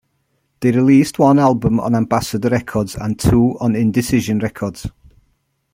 They released one album on Ambassador Records and two on Indecision Records.